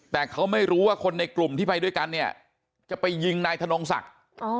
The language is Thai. แต่เขาไม่รู้ว่าคนในกลุ่มที่ไปด้วยกันเนี่ยจะไปยิงนายธนงศักดิ์